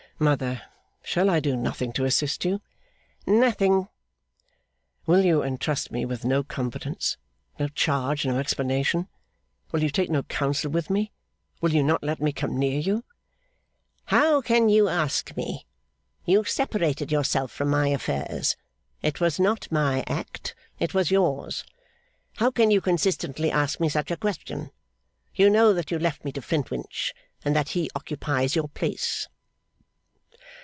'Mother, shall I do nothing to assist you?' 'Nothing.' 'Will you entrust me with no confidence, no charge, no explanation? Will you take no counsel with me? Will you not let me come near you?' 'How can you ask me? You separated yourself from my affairs. It was not my act; it was yours. How can you consistently ask me such a question? You know that you left me to Flintwinch, and that he occupies your place.